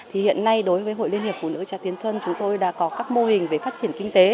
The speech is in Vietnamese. thì hiện nay đối với hội liên hiệp phụ nữ xã tiến xuân chúng tôi đã có các mô hình về phát triển kinh tế